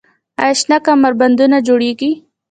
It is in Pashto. آیا شنه کمربندونه جوړیږي؟